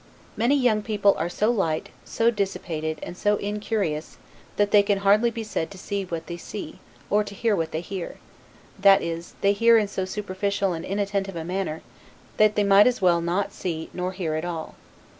Many young people are so light, so dissipated, and so incurious, that they can hardly be said to see what they see, or hear what they hear: that is, they hear in so superficial and inattentive a manner, that they might as well not see nor hear at all.